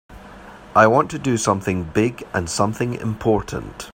I want to do something big and something important.